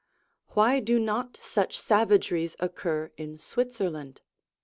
Why do not such savageries occur in Switzerland